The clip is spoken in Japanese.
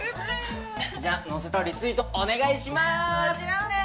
じゃ載せたらリツイートお願いします！